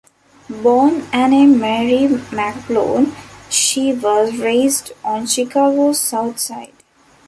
Born Anne Marie McGlone, she was raised on Chicago's South Side.